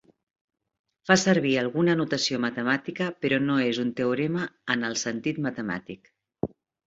Fa servir alguna notació matemàtica, però no és un teorema en el sentit matemàtic.